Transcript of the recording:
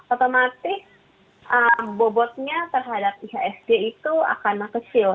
otomatis bobotnya terhadap ihsg itu akan kecil